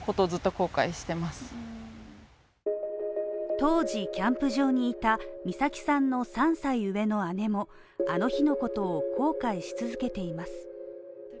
当時、キャンプ場にいた美咲さんの３歳上の姉もあの日のことを後悔し続けています。